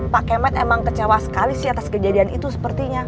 pak kemet emang kecewa sekali sih atas kejadian itu sepertinya